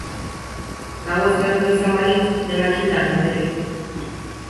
Gauez gertatu izan balitz, denak hilda geundeke.